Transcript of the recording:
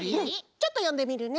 ちょっとよんでみるね。